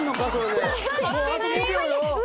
もうあと５秒よ。